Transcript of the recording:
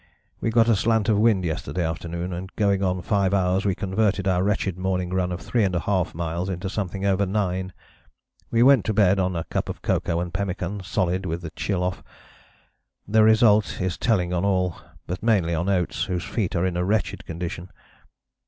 We got a slant of wind yesterday afternoon, and going on 5 hours we converted our wretched morning run of 3½ miles into something over 9. We went to bed on a cup of cocoa and pemmican solid with the chill off.... The result is telling on all, but mainly on Oates, whose feet are in a wretched condition.